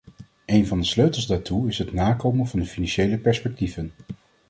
Een van de sleutels daartoe is het nakomen van de financiële perspectieven.